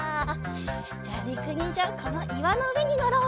じゃありくにんじゃこのいわのうえにのろう！